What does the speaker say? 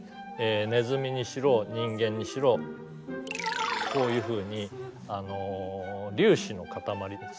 ネズミにしろ人間にしろこういうふうに粒子の固まりです。